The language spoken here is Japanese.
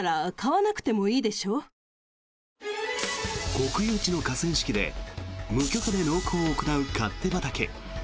国有地の河川敷で無許可で農耕を行う勝手畑。